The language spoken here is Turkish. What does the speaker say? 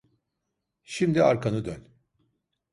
Şimdi arkanı dön.